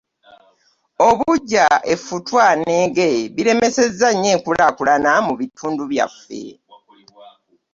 Obuggya ,effutwa, n'enge biremeseza nnyo enkulakulana mu bitundu byaffe.